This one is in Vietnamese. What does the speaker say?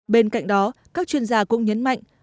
bên cạnh đó các chuyên gia cũng nhấn mạnh